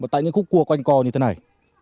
tại những khúc cua quanh co như thế này